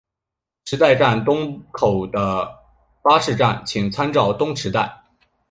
池袋站东口的巴士站请参照东池袋。